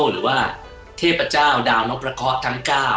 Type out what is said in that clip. หรือว่าเทพเจ้าดาวนกประเคาะทั้ง๙